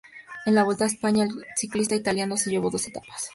En la Vuelta a España, el ciclista italiano se llevó dos etapas.